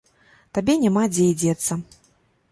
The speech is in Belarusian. Табе няма дзе і дзецца?